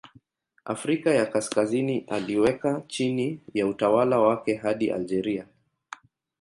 Afrika ya Kaskazini aliweka chini ya utawala wake hadi Algeria.